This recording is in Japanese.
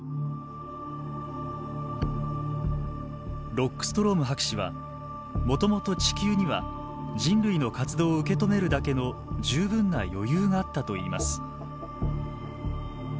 ロックストローム博士はもともと地球には人類の活動を受け止めるだけの十分な余裕があったと言います。